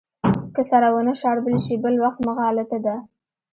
که سره ونه شاربل شي بل وخت مغالطه ده.